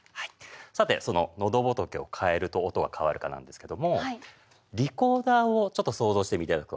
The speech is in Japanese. さてそののどぼとけを変えると音が変わるかなんですけどもリコーダーをちょっと想像していただくと。